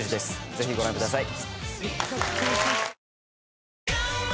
ぜひご覧ください。